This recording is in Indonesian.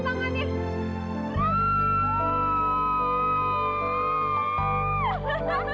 retangin banget ya